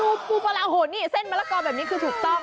ปูปูปลาโหดนี่เส้นมะละกอแบบนี้คือถูกต้อง